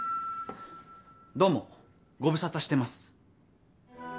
どうもご無沙汰してます。